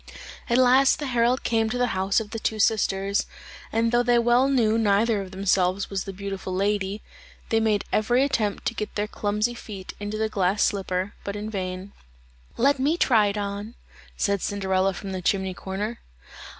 At last the herald came to the house of the two sisters, and though they well knew neither of themselves was the beautiful lady, they made every attempt to get their clumsy feet into the glass slipper, but in vain. "Let me try it on," said Cinderella from the chimney corner.